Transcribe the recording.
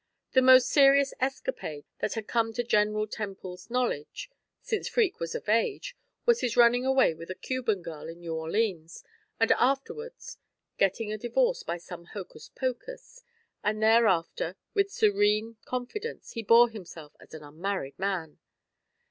The most serious escapade that had come to General Temple's knowledge since Freke was of age was his running away with a Cuban girl in New Orleans, and afterward getting a divorce by some hocus pocus, and thereafter, with serene confidence, he bore himself as an unmarried man.